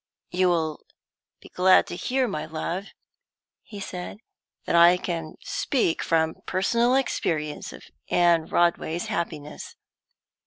"You will be glad to hear, my love," he said, "that I can speak from personal experience of Anne Rodway's happiness.